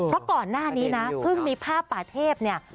เพราะก่อนหน้านี้นะเพิ่งมีภาพป่าเทพเนี่ย